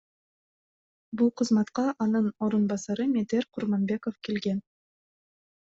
Бул кызматка анын орун басары Медер Курманбеков келген.